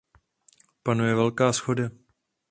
Panuje velká shoda.